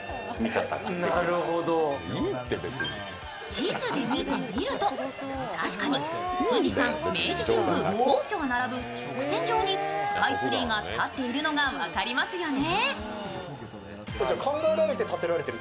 地図で見てみると、確かに富士山、明治神宮、皇居が並ぶ直線上にスカイツリーが立っているのが分かりますよね。